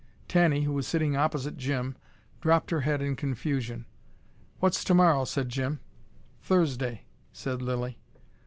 Tanny, who was sitting opposite Jim, dropped her head in confusion. "What's tomorrow?" said Jim. "Thursday," said Lilly.